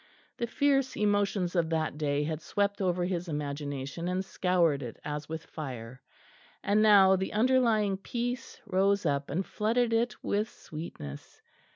The fierce emotions of that day had swept over his imagination and scoured it as with fire, and now the underlying peace rose up and flooded it with sweetness.